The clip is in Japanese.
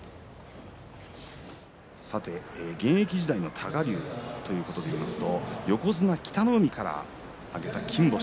現役時代の多賀竜ということで言いますと横綱北の湖から挙げた金星